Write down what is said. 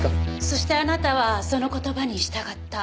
そしてあなたはその言葉に従った。